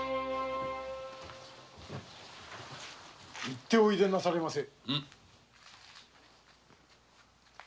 行っておいでなされませ。